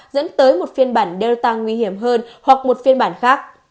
dẫn tới một phiên bản delta nguy hiểm hơn hoặc một phiên bản khác